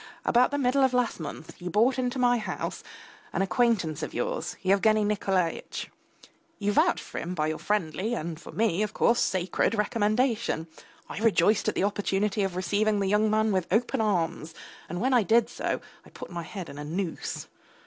About the middle of last month, you brought into my house an acquaintance of yours, Yevgeny Nikolaitch; you vouched for him by your friendly and, for me, of course, sacred recommendation; I rejoiced at the opportunity of receiving the young man with open arms, and when I did so I put my head in a noose.